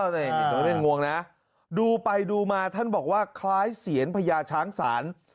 นี่ผมเล่นงวงนะดูไปดูมาท่านบอกว่าคล้ายเสียนพญาช้างศาล